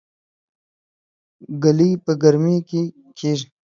ګلۍ په ګرمۍ کې کيږي